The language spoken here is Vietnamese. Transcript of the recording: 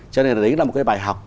cho nên đấy là một cái bài học